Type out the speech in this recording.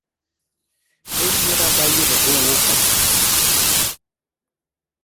Émien a nga yeme be wôk.